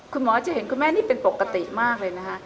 คุณหมอจะเห็นคุณแม่นี่เป็นปกติมากเลยนะคะ